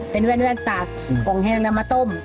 เป็นแว่นตากของแห้งแล้วมาต้ม